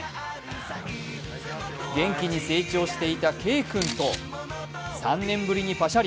元気に成長して慶君と３年ぶりにパシャリ。